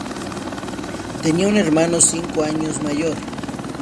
Tenía un hermano cinco años mayor.